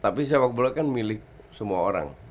tapi sepak bola kan milik semua orang